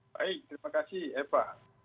baik terima kasih eva